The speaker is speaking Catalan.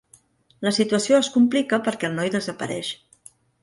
La situació es complica perquè el noi desapareix.